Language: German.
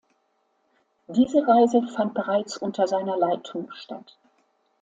Diese Reise fand bereits unter seiner Leitung statt.